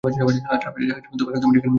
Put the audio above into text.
আমরা তোমাদের এখানে বিয়ে দিব।